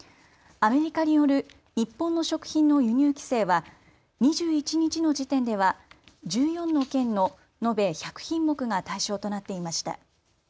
アメリカによる日本の食品の輸入規制は２１日の時点では１４の県の延べ１００品目が対象となっていました。